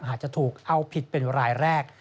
อาจจะถูกเอาผิดเป็นรายแรก